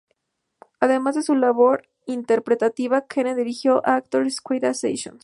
Además de su labor interpretativa, Keenan dirigió la Actors Equity Association.